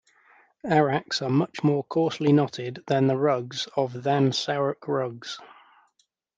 Araks are much more coarsely knotted than the rugs of than Sarouk rugs.